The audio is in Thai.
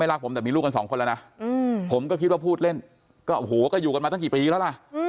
รักผมแต่มีลูกกันสองคนแล้วนะผมก็คิดว่าพูดเล่นก็โอ้โหก็อยู่กันมาตั้งกี่ปีแล้วล่ะ